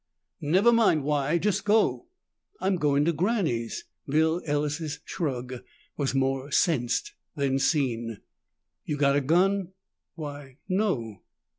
"Never mind why. Just go." "I'm going to Granny's." Bill Ellis' shrug was more sensed than seen. "You got a gun?" "Why no."